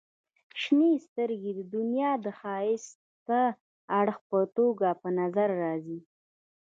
• شنې سترګې د دنیا د ښایسته اړخ په توګه په نظر راځي.